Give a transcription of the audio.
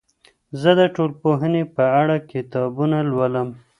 زه د ټولنپوهنې په اړه کتابونه لولم.